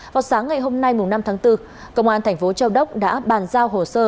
vào sáng ngày hôm nay năm tháng bốn công an thành phố châu đốc đã bàn giao hồ sơ